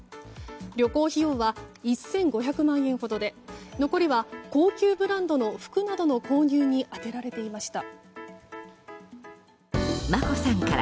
旅行費用は１５００万円ほどで残りは高級ブランドの服などの購入に充てられていました。